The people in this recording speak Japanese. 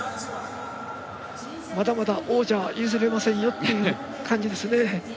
まだまだ王者は譲りませんよという感じですね。